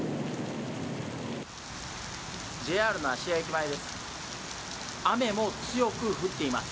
ＪＲの芦屋駅前です。